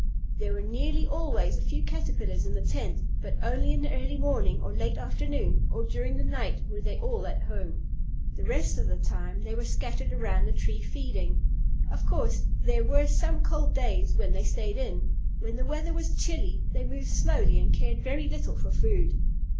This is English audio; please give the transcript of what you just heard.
There were nearly always a few Caterpillars in the tent, but only in the early morning or late afternoon or during the night were they all at home. The rest of the time they were scattered around the tree feeding. Of course there were some cold days when they stayed in. When the weather was chilly they moved slowly and cared very little for food.